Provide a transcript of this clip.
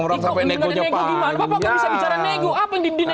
orang sampai negoknya pak semua orang bisa nonton tv kita coba kembali ke tengah nih jangan